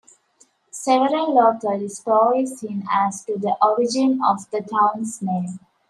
Several local stories hint as to the origin of the town's name.